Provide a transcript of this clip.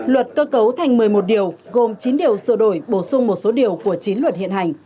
luật cơ cấu thành một mươi một điều gồm chín điều sửa đổi bổ sung một số điều của chín luật hiện hành